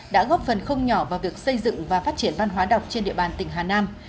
đã góp phần không nhỏ vào việc xây dựng và phát triển văn hóa đọc trên địa bàn tỉnh hà nam